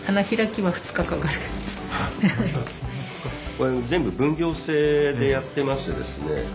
これ全部分業制でやってましてですね。